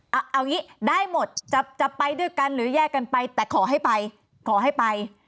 เอาอย่างนี้ได้หมดจะไปด้วยกันหรือแยกกันไปแต่ขอให้ไปขอให้ไป